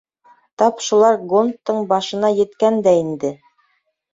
Тап шулар гондтың башына еткән дә инде.